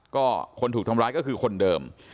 ก็คนถูกทำร้ายก็คือคนเดิม